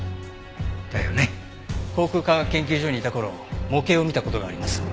航空科学研究所にいた頃模型を見た事があります。